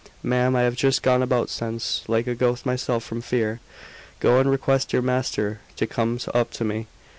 Ma'am, I have just gone about since, like a ghost myself from fear." "Go and request your master to come up to me."